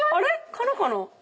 カナカナ。